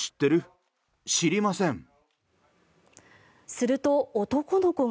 すると、男の子が。